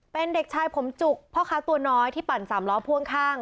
เป็นเด็กชายผมจุกพ่อค้าตัวน้อยที่ปั่นสามล้อพ่วงข้าง